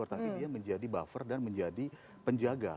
tapi dia menjadi buffer dan menjadi penjaga